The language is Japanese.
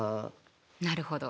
なるほど。